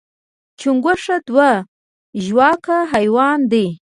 چنډخه دوه ژواکه حیوان دی